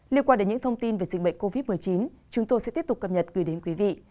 liên quan đến những thông tin về dịch bệnh covid một mươi chín chúng tôi sẽ tiếp tục cập nhật gửi đến quý vị